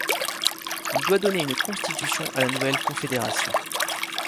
Il doit donner une constitution à la nouvelle confédération.